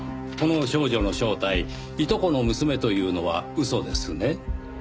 この少女の正体いとこの娘というのは嘘ですね？